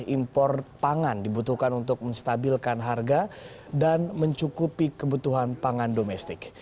impor pangan dibutuhkan untuk menstabilkan harga dan mencukupi kebutuhan pangan domestik